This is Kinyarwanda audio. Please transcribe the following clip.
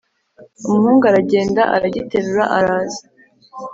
umuhungu aragenda aragiterura araza,